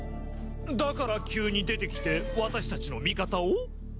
だから急に出てきて私たちの味方を？